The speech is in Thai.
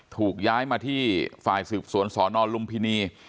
ถูกย้ายมาที่ฝ่ายสืบสวนสนลุมพินี